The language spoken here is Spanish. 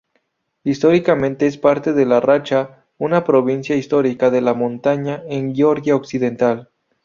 Históricamente es parte de Racha, una provincia histórica de la montaña en Georgia occidental.